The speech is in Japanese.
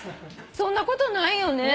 そんなことないよね。